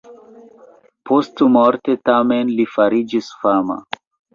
Postmorte, tamen, li fariĝis fama.